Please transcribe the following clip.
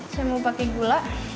saya mau pakai gula